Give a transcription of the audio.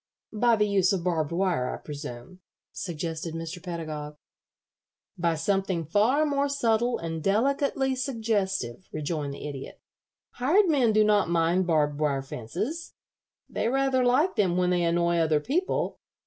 "By the use of barbed wire, I presume," suggested Mr. Pedagog. "By something far more subtle and delicately suggestive," rejoined the Idiot. "Hired men do not mind barbed wire fences. They rather like them when they annoy other people.